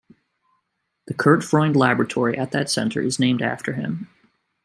The Kurt Freund Laboratory at that centre is named after him.